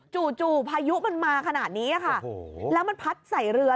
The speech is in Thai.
จู่พายุมันมาขนาดนี้ค่ะโอ้โหแล้วมันพัดใส่เรือ